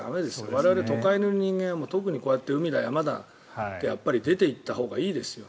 我々、都会の人間は特に海だ、山だってやっぱり出ていったほうがいいですよ。